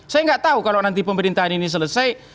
saya nggak tahu kalau nanti pemerintahan ini selesai